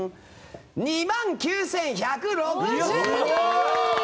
２万９１６０人！